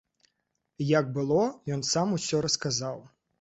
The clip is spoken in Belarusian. Як было, ён сам усё расказаў.